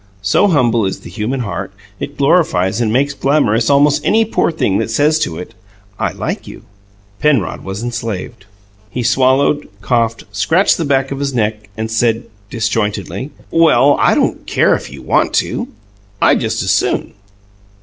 So humble is the human heart, it glorifies and makes glamorous almost any poor thing that says to it: "I like you!" Penrod was enslaved. He swallowed, coughed, scratched the back of his neck, and said, disjointedly: "Well I don't care if you want to. I just as soon."